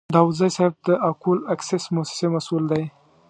داودزی صیب د اکول اکسیس موسسې مسوول دی.